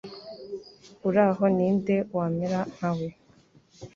Uhoraho ni nde wamera nkawe?